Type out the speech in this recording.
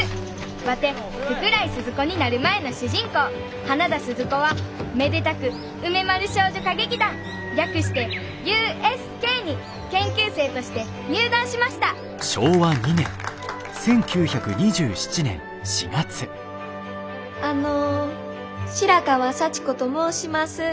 ワテ福来スズ子になる前の主人公花田鈴子はめでたく梅丸少女歌劇団略してＵＳＫに研究生として入団しましたあの白川幸子と申します。